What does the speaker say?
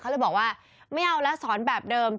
เขาเลยบอกว่าไม่เอาแล้วสอนแบบเดิม